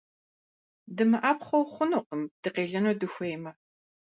ДымыӀэпхъуэу хъунукъым, дыкъелыну дыхуеймэ.